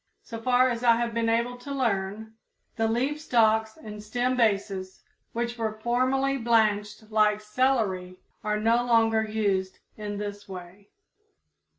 So far as I have been able to learn, the leaf stalks and stem bases, which were formerly blanched like celery, are no longer used in this way.